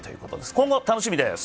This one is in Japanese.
今後楽しみです。